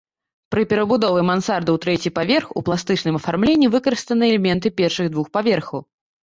Пры перабудове мансарды ў трэці паверх у пластычным афармленні выкарыстаны элементы першых двух паверхаў.